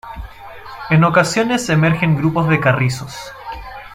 En ocasiones emergen grupos de carrizos.